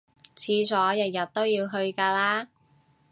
廁所日日都要去㗎啦